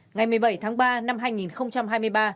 ngày một mươi bảy tháng ba năm hai nghìn bảy